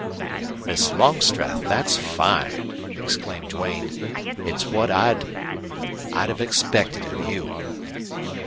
"Miss Longstreth, that's fine!" exclaimed Duane. "It's what I'd have expected of you."